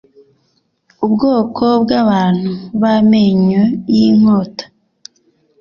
ubwoko bw'abantu b'amenyo y'inkota